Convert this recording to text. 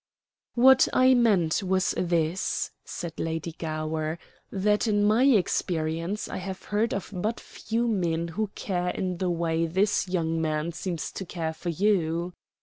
"What I meant was this," said Lady Gower, "that, in my experience, I have heard of but few men who care in the way this young man seems to care for you.